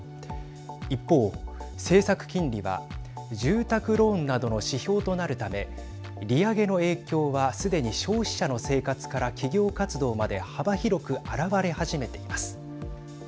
一方、政策金利は住宅ローンなどの指標となるため利上げの影響はすでに消費者の生活から企業活動まで幅広くあらわれ始めています。